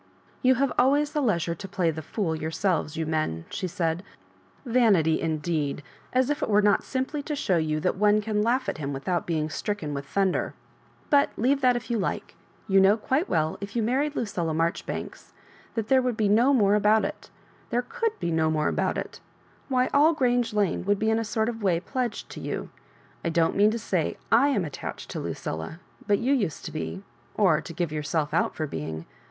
" You have always the leisure to play the fool yourselves, you men," she said. " Vanity, in deed I as if it were not simply to show you that one can laugh at him without being stricken with thunder. But leave that if you like. Yon know quite well if you married Lucille Marjori banks that there would be no more about it. There could be no more about it Wliy, all Grange Lane would be in a sort of way pledged to you. I don't mean to say /am attached to Lucilla, but you used to be, or to give yourself out for being.